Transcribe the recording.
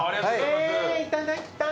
えいただきたい。